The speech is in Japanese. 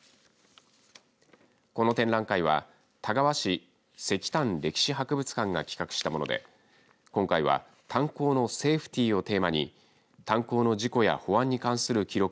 この展覧会は田川市石炭・歴史博物館が企画したもので今回は炭坑のセーフティーをテーマに炭坑の事故や保安に関する記録